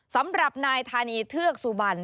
สำหรับนายธานีเทือกสุบัน